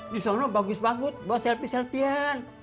di sana bagus bagus bawa selfie selfie an